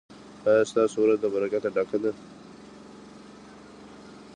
ایا ستاسو ورځ له برکته ډکه ده؟